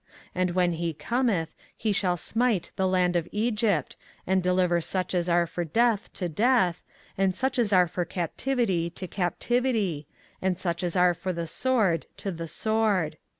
24:043:011 And when he cometh, he shall smite the land of Egypt, and deliver such as are for death to death; and such as are for captivity to captivity; and such as are for the sword to the sword.